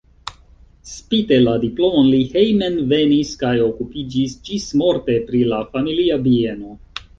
Spite la diplomon li hejmenvenis kaj okupiĝis ĝismorte pri la familia bieno.